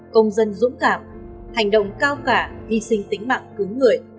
công dân dũng cảm hành động cao cả hy sinh tính mạng cứu người